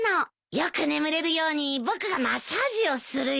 よく眠れるように僕がマッサージをするよ。